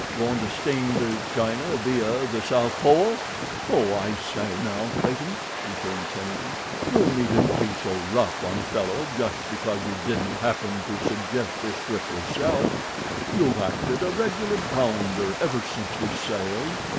Goin' to steam to China via the south pole?" "Oh, I say now, Clayton," returned Tennington, "you needn't be so rough on a fellow just because you didn't happen to suggest this trip yourself—you've acted a regular bounder ever since we sailed.